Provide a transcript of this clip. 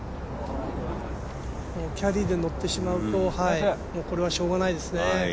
キャリーで乗ってしまうとこれはしょうがないですね。